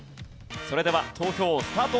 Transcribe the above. それでは投票スタート！